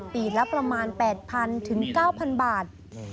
ปีละประมาณ๘๐๐๐ถึง๙๐๐บาท